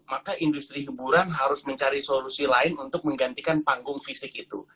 maka industri hiburan harus mencari solusi lain untuk menggantikan panggung fisik itu